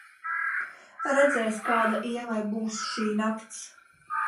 Redzēs, kāda Ievai būs šī nakts.